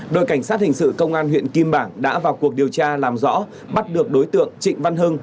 đội cảnh sát hình sự công an huyện kim bảng đã vào cuộc điều tra làm rõ bắt được đối tượng trịnh văn hưng